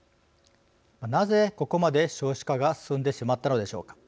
なぜここまで少子化が進んでしまったのでしょうか。